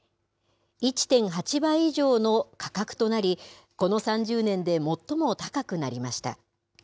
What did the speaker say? １．８倍以上の価格となり、この３０年で最も高くなりました。